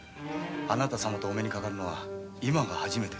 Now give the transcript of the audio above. あなた様とお目にかかるのは初めて。